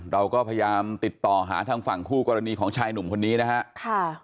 เราก็พยายามติดต่อหาทางฝั่งคู่กรณีของชายหนุ่มคนนี้นะฮะ